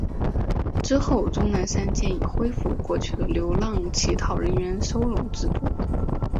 之后钟南山建议恢复过去的流浪乞讨人员收容制度。